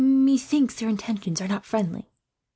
Methinks their intentions were not friendly."